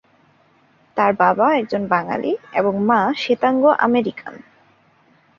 তার বাবা একজন বাঙ্গালী এবং মা শ্বেতাঙ্গ আমেরিকান।